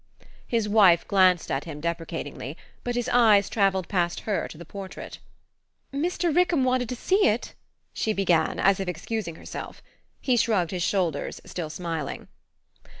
His wife glanced at him deprecatingly, but his eyes travelled past her to the portrait. "Mr. Rickham wanted to see it," she began, as if excusing herself. He shrugged his shoulders, still smiling.